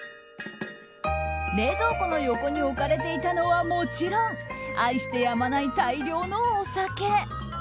冷蔵庫の横に置かれていたのはもちろん愛してやまない大量のお酒。